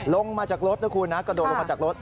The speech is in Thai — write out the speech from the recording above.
ลงมาจากรถนะคุณนะกระโดดลงมาจากรถ